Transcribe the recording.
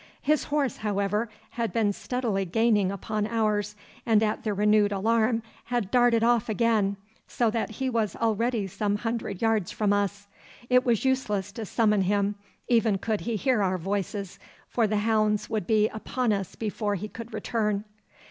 His horse, however, had been steadily gaining upon ours, and at the renewed alarm had darted off again, so that he was already some hundred yards from us. It was useless to summon him, even could he hear our voices, for the hounds would be upon us before he could return.